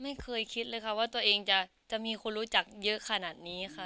ไม่เคยคิดเลยค่ะว่าตัวเองจะมีคนรู้จักเยอะขนาดนี้ค่ะ